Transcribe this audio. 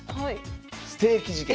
「ステーキ事件」。